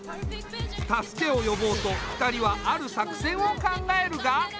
助けを呼ぼうと２人はある作戦を考えるが。